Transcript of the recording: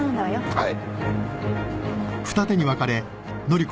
はい。